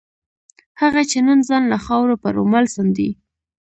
هغه چې نن ځان له خاورو په رومال څنډي.